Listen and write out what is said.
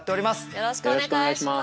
よろしくお願いします。